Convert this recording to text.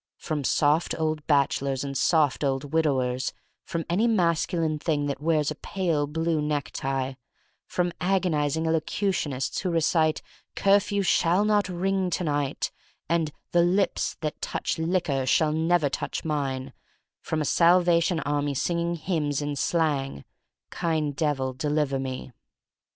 From soft old bachelors and soft old widowers; from any masculine thing that wears a pale blue necktie; from agonizing elocutionists who recite "Curfew Shall Not Ring To Night," and "The Lips That Touch Liquor Shall Never Touch Mine'*; from a Salvation Army singing hymns in slang: Kind Devil, deliver me.